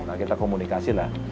nah kita komunikasi lah